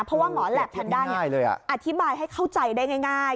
เพราะว่าหมอแหลปแพนด้าอธิบายให้เข้าใจได้ง่าย